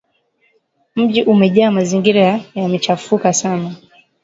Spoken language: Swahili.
Mji umejaa mazingira yamechafuka sana